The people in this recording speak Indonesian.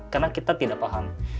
karena kita tidak paham